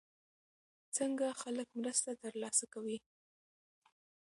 څنګه خلک مرسته ترلاسه کوي؟